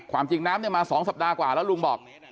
ความจริงน้ำมา๒สัปดาห์กว่าแล้วลุงบอก